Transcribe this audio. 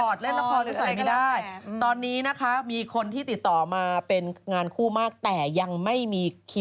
หรือสมมติว่าใส่ตลอดแต่เวลาทำงานที่ไม่ใส่